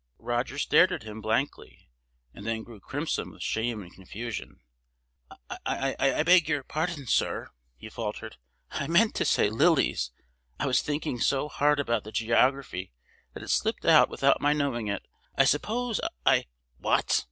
Roger stared at him blankly, and then grew crimson with shame and confusion. "I—I beg your pardon, sir!" he faltered, "I meant to say 'lilies.' I was thinking so hard about the geography that it slipped out without my knowing it. I suppose. I—" "What!